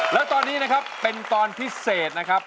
แล้วตอนนี้นะครับเป็นตอนพิเศษนะครับ